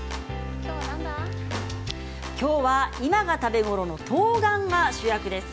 今日は今が食べ頃のとうがんが主役です。